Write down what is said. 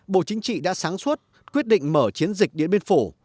bộ chính trị đã sáng suốt quyết định mở chiến dịch điện biên phủ